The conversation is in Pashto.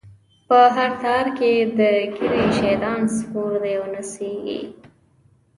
په هر تار کی یی د ږیری، شیطان سپور دی او نڅیږی